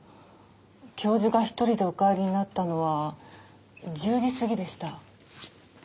教授が一人でお帰りになったのは１０時過ぎでした。